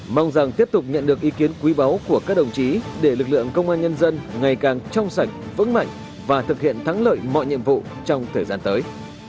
mong rằng tiếp tục nhận được ý kiến quý báu của các đồng chí để lực lượng công an nhân dân ngày càng trong sạch vững mạnh và thực hiện thắng lợi mọi nhiệm vụ trong thời gian tới